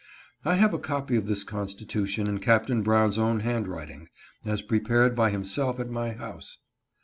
I have a copy of this constitution in Captain Brown's own handwriting, as prepared by himself at my house.